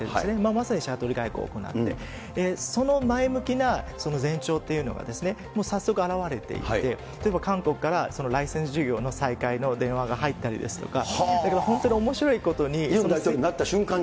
まさにシャトル外交行って、その前向きな前兆というのが、早速あらわれていて、例えば韓国からライセンス事業の再開の電話が入ったりですとか、ユン大統領になった瞬間に？